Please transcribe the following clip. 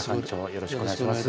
よろしくお願いします。